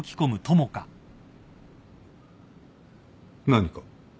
何か？